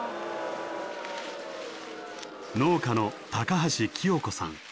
農家の高橋キヨ子さん。